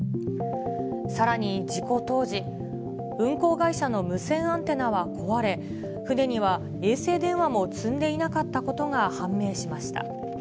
さらに事故当時、運航会社の無線アンテナは壊れ、船には衛星電話も積んでいなかったことが判明しました。